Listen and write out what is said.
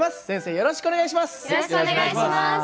よろしくお願いします。